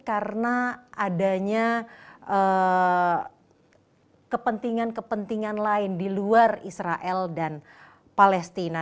karena adanya kepentingan kepentingan lain di luar israel dan palestina